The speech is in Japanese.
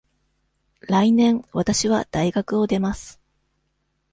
来年わたしは大学を出ます。